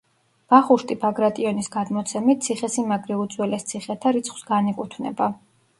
ვახუშტი ბაგრატიონის გადმოცემით, ციხესიმაგრე უძველეს ციხეთა რიცხვს განეკუთვნება.